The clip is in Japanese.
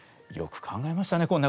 よく考えましたね